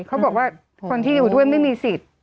เขาบอกว่าคนที่อยู่ด้วยไม่มีสิทธิ์